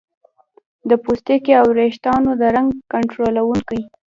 د پوستکي او ویښتانو د رنګ کنټرولونکو